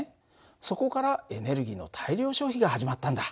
そこからエネルギーの大量消費が始まったんだ。